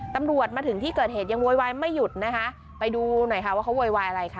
ตำรวจมาถึงที่เกิดเหตุยังโวยวายไม่หยุดนะคะไปดูหน่อยค่ะว่าเขาโวยวายอะไรค่ะ